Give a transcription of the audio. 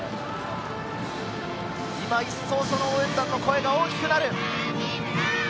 いっそう応援団の声が大きくなる。